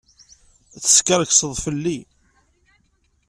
Teskerkseḍ fell-i.